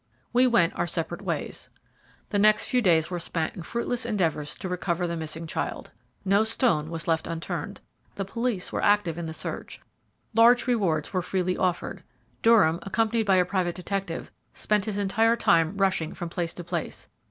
We went our separate ways. The next few days were spent in fruitless endeavours to recover the missing child. No stone was left unturned; the police were active in the search large rewards were freely offered. Durham, accompanied by a private detective; spent his entire time rushing from place to place.